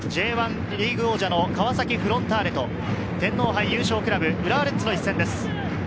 Ｊ１リーグ王者の川崎フロンターレと天皇杯優勝クラブ浦和レッズの一戦です。